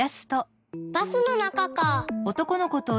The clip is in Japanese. バスのなかか。